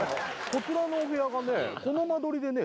こちらのお部屋がねこの間取りでね